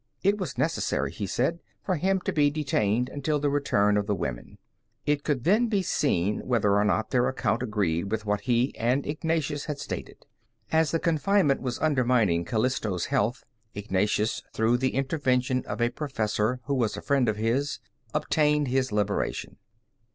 It was necessary, he said, for him to be detained until the return of the women. It could then be seen whether or not their account agreed with what he and Ignatius had stated. As the confinement was undermining Calisto's health, Ignatius, through the intervention of a professor who was a friend of his, obtained his liberation.